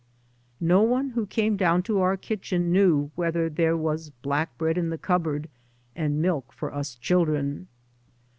No one who came down to our kitchen knew whether there was black bread in the cupboard, and milk for us children.